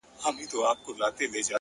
هره ورځ د بدلون نوې کړکۍ پرانیزي,